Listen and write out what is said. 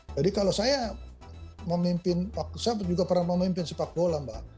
jadi kalau saya memimpin saya juga pernah memimpin sepak bola mbak